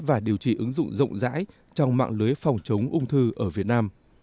và điều trị ứng dụng rộng rãi trong mạng lưới phòng chống ung thư ở việt nam